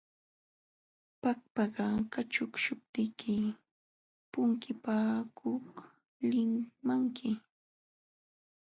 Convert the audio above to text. Pakpaka kaćhuqśhuptiyki punkipakuqlunkimanmi.